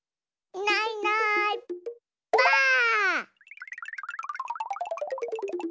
いないいないばあっ！